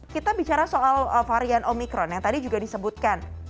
kita bicara soal varian omikron yang tadi juga disebutkan